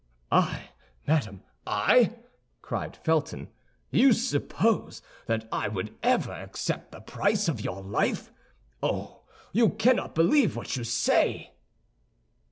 "I, madame, I?" cried Felton. "You suppose that I would ever accept the price of your life? Oh, you cannot believe what you say!"